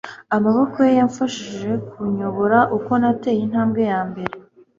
amaboko ye yamfashije kunyobora uko nateye intambwe yambere